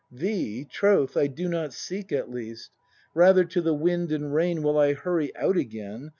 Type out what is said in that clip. Thee, Troth, I do not seek, at least! Rather to the wind and rain Will I hurry out again.